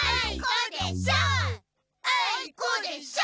あいこでしょ！